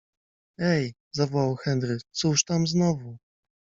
- Ej! - zawołał Henry. - Cóż tam znowu?